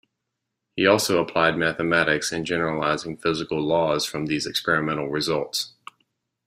He also applied mathematics in generalizing physical laws from these experimental results.